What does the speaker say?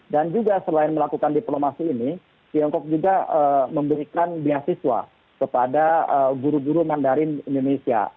dan juga selain melakukan diplomasi ini tiongkok juga memberikan beasiswa kepada guru guru mandarin di indonesia